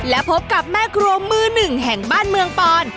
และพบกับแม่ครัวมือหนึ่งแห่งบ้านเมืองปอน